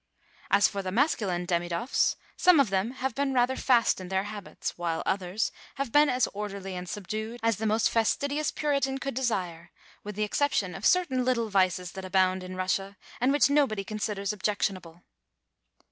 As for the maseuline Demidoffs, some of them have been rather fast in their habits, while others have been as orderly and subdued as the most fastidious Puritan eould desire, with the exeeption of eertain little vices that abound in Russia, and which nobody considers objectionable.